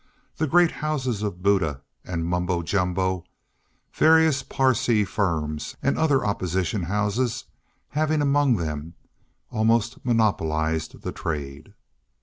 the great houses of Buddha and Mumbo Jumbo, various Parsee firms, and other opposition houses, having among them almost monopolised the trade.